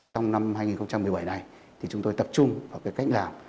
trong năm hai nghìn một mươi bảy này chúng tôi tập trung vào cách làm